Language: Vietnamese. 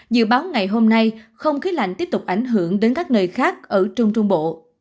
dự báo ngày hôm nay không khí lạnh tiếp tục ảnh hưởng đến các nơi khác ở trung trung bộ